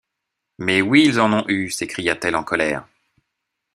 Mais oui, ils en ont eu! s’écria-t-elle, en colère.